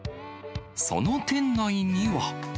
その店内には。